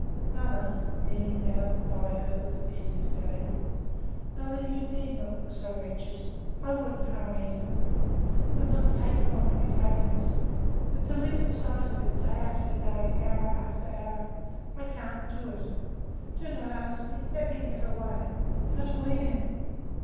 Mother," kneeling down by her with a piteous gaze "mother, you need not look so wretched. I wouldn't harm Edwin would not take from him his happiness; but to live in sight of it day after day, hour after hour I can't do it! Do not ask me let me get away." "But where?"